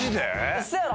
ウソやろ？